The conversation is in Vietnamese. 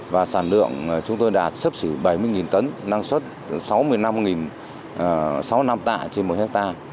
và sản lượng chúng tôi đạt sấp xỉ bảy mươi tấn năng suất sáu mươi năm sáu năm tạ trên một hectare